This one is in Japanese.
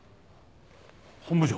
本部長！